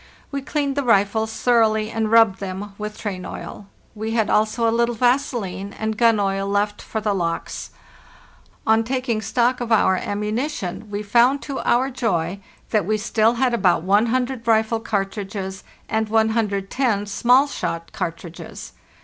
We cleaned the rifles thoroughly and rubbed them with train oil. We had also a little vaseline and gun oil left for the locks. On taking stock of our ammunition, we found, to our joy, that we still had about 100 rifle cartridges and 110 small shot cartridges.